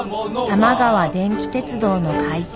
玉川電気鉄道の開通。